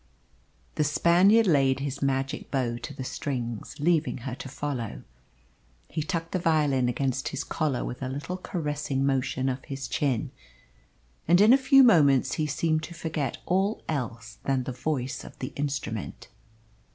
The Spaniard laid his magic bow to the strings, leaving her to follow. He tucked the violin against his collar with a little caressing motion of his chin, and in a few moments he seemed to forget all else than the voice of the instrument.